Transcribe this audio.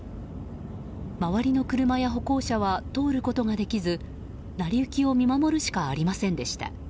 周りの車や歩行者は通ることができずなりゆきを見守るしかありませんでした。